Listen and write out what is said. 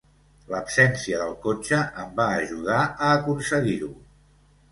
L'absència del cotxe em va ajudar a aconseguir-ho.